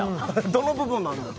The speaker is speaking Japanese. どの部分なんやろ？